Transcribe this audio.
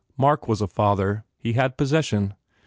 Mark was a father. He had possession.